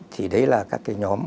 thì đấy là các cái nhóm